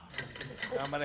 頑張れ！